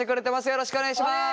よろしくお願いします。